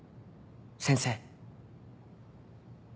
先生